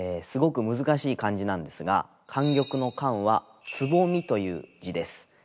すごく難しい漢字なんですが莟玉の「莟」は「つぼみ」という字です。